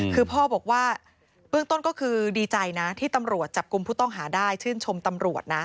คือพ่อบอกว่าเบื้องต้นก็คือดีใจนะที่ตำรวจจับกลุ่มผู้ต้องหาได้ชื่นชมตำรวจนะ